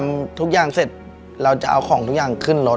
ทุกอย่างเสร็จเราจะเอาของทุกอย่างขึ้นรถ